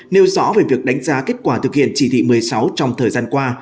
nêu rõ về việc đánh giá kết quả thực hiện chỉ thị một mươi sáu trong thời gian qua